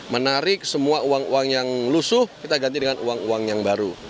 menarik semua uang uang yang lusuh kita ganti dengan uang uang yang baru